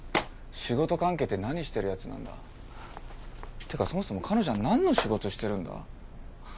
仕事関係って何してる奴なんだ？っていうかそもそも彼女はなんの仕事をしてるんだ？